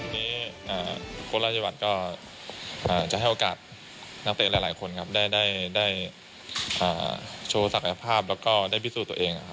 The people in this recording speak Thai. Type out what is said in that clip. ทีนี้โค้ชราชวัดจะให้โอกาสนักเตรดหลายคนได้โชว์ศักยภาพและได้พิสูจน์ตัวเอง